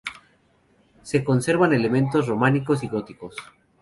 Se conservan elementos románicos y góticos.